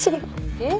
えっ？